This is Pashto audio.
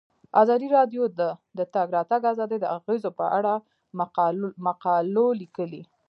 ازادي راډیو د د تګ راتګ ازادي د اغیزو په اړه مقالو لیکلي.